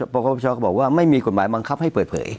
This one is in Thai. ประคชก็บอกว่าไม่มีกฎหมายบังคับให้เปิดเผย